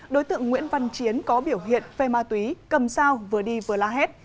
đối tượng nguyễn văn chiến có biểu hiện phê ma túy cầm sao vừa đi vừa la hét